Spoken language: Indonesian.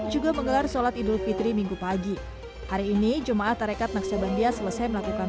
juga menggelar sholat idul fitri minggu pagi hari ini jemaah tarekat naksabandia selesai melakukan